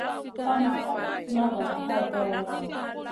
Sana ka ti funa valamu hay kawayna.